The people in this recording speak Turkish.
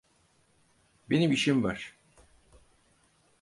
Benim işim var.